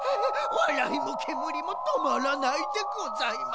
わらいもけむりもとまらないでございます。